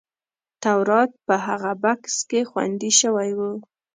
تورات په هغه بکس کې خوندي شوی و.